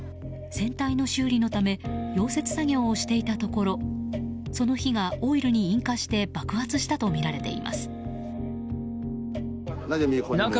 船体の修理のため溶接作業をしていたところその火がオイルに引火して爆発したとみられています。